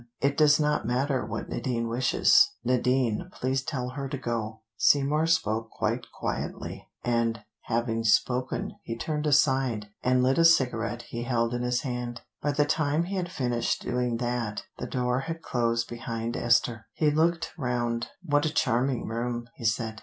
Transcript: "It does not matter what Nadine wishes. Nadine, please tell her to go." Seymour spoke quite quietly, and having spoken he turned aside and lit a cigarette he held in his hand. By the time he had finished doing that the door had closed behind Esther. He looked round. "What a charming room!" he said.